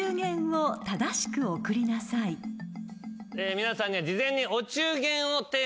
皆さんには事前に。